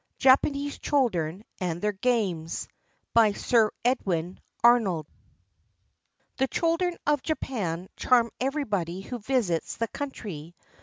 JAPANESE CHILDREN AND THEIR GAMES BY SIR EDWIN ARNOLD The children of Japan charm everybody who visits the country.